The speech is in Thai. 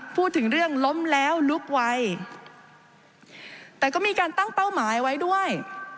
พูดถึงเรื่องล้มแล้วลุกไวแต่ก็มีการตั้งเป้าหมายไว้ด้วย